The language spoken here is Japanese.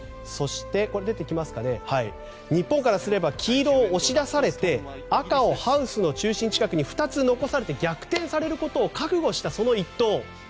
そして、日本からすれば黄色を押し出されて赤をハウスの中心近くに２つ残されて逆転されることを覚悟した一投。